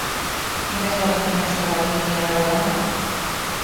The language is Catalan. Quina és la combinació de la Quiniela de demà?